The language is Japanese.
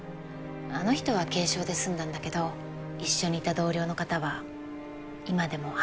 あの人は軽傷で済んだんだけど一緒にいた同僚の方は今でも半身不随のまま。